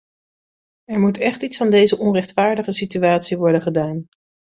Er moet echt iets aan deze onrechtvaardige situatie worden gedaan.